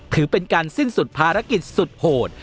ถือเป็นการสิ้นสุดภารกิจสุดโหด